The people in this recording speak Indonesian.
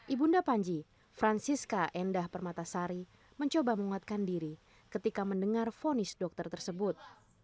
ibu nda panji francisca endah permatasari mencoba menguatkan diri ketika mendengar fonis dokter tersebut